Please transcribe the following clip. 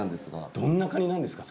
どんなカニなんですか？